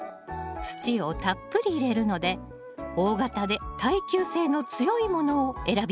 土をたっぷり入れるので大型で耐久性の強いものを選びましょう。